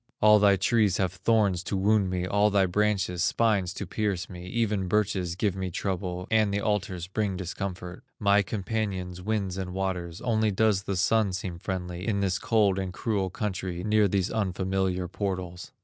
All thy trees have thorns to wound me, All thy branches, spines to pierce me, Even birches give me trouble, And the alders bring discomfort, My companions, winds and waters, Only does the Sun seem friendly, In this cold and cruel country, Near these unfamiliar portals."